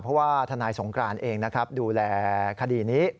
เพราะว่าทนายสงกรานต์เองดูแลคดีนี้